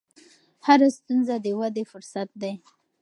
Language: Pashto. هره ستونزه د ودې فرصت دی.